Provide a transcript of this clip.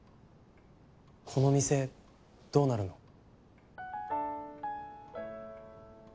この店どうなるの？